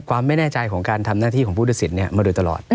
ความไม่แน่ใจของการทำหน้าที่ของผู้ตัดสินมาโดยตลอด